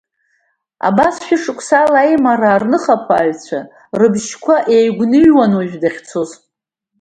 Абас шәышықәсала Аимараа рныхаԥааҩцәа рыбжьқәа иегәныҩҩуан уажә дахьцоз.